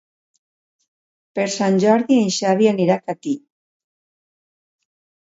Per Sant Jordi en Xavi anirà a Catí.